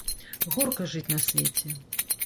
Горка жыць на свеце!